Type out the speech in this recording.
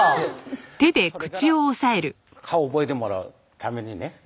それから顔覚えてもらうためにね